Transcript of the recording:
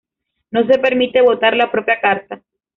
No se permite votar la propia carta.